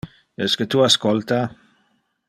Esque tu ascolta?